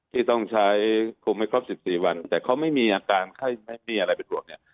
ที่ต้องใช้คุมให้ครบ๑๔วันแต่เขาไม่มีอาการไข้ไม่มีอะไรเป็นห่วงเนี่ย